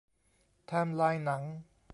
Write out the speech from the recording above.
ไทม์ไลน์หนัง